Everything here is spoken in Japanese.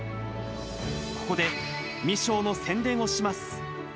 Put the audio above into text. ここでミショーの宣伝をします。